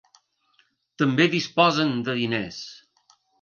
També disposen de diners.